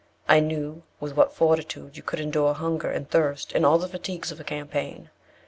I knew with what fortitude you could endure hunger and thirst, and all the fatigues of a campaign.